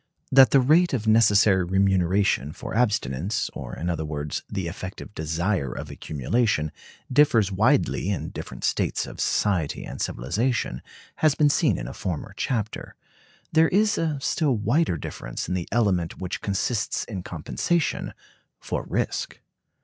That the rate of necessary remuneration for abstinence, or in other words the effective desire of accumulation, differs widely in different states of society and civilization, has been seen in a former chapter. There is a still wider difference in the element which consists in compensation for risk.